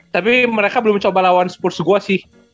tapi mereka belum coba lawan spursu gue sih